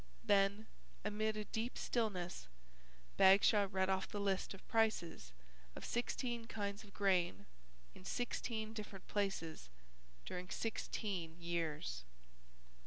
Then, amid a deep stillness, Bagshaw read off the list of prices of sixteen kinds of grain in sixteen different places during sixteen years.